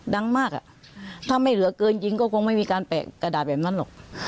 ดังมากอ่ะถ้าไม่เหลือเกินยิงก็คงไม่มีการแปะกระดาษแบบนั้นหรอก